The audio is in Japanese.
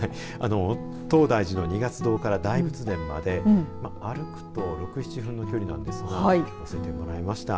東大寺の二月堂から大仏殿まで歩くと６、７分の距離なんですが乗せてもらいました。